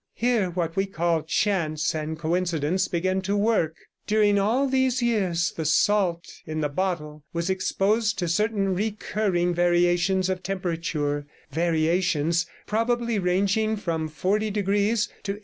Here what we call chance and coincidence begin to work; during all these years the salt in the bottle was exposed to certain recurring variations of temperature, variations probably ranging from 40° to 80°.